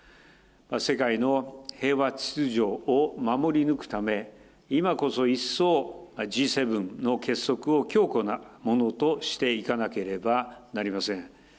世界の平和秩序を守り抜くため、今こそ一層、Ｇ７の結束を強固なものとしていかなければなりません。